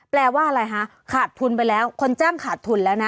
แปลว่าอะไรคะขาดทุนไปแล้วคนจ้างขาดทุนแล้วนะ